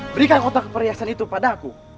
berikan otak perhiasan itu padaku